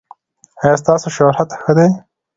ایا ستاسو شهرت ښه دی؟